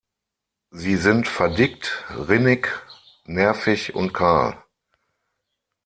Sie sind verdickt, rinnig, nervig und kahl.